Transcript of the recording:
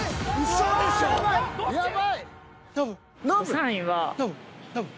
３位は。